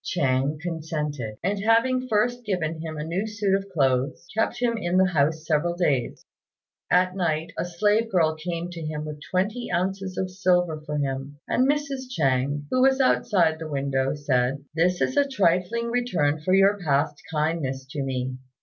Chêng consented, and having first given him a new suit of clothes, kept him in the house several days. At night a slave girl came to him with twenty ounces of silver for him, and Mrs. Chêng, who was outside the window, said, "This is a trifling return for your past kindness to me.